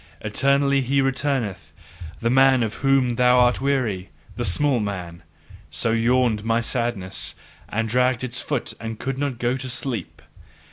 "Eternally he returneth, the man of whom thou art weary, the small man" so yawned my sadness, and dragged its foot and could not go to sleep.